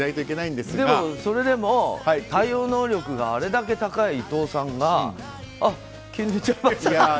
でも、それでも対応の能力があれだけ高い伊藤さんがあっ、気抜いちゃいましたって。